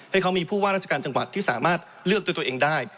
ให้เขามีผู้ว่าราชการจังหวัดที่สามารถเลือกด้วยตัวเองได้